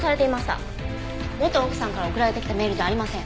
元奥さんから送られてきたメールじゃありません。